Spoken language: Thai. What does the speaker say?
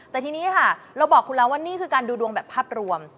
แต่ทีนี้ค่ะเราบอกคุณแล้วว่านี่คือการดูดวงแบบภาพรวม